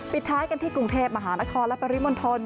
ท้ายกันที่กรุงเทพมหานครและปริมณฑล